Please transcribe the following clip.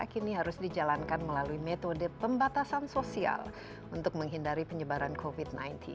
kini harus dijalankan melalui metode pembatasan sosial untuk menghindari penyebaran covid sembilan belas